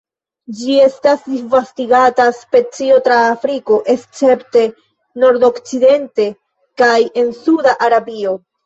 Ĝi estas disvastigata specio tra Afriko, escepte nordokcidente kaj en suda Arabio.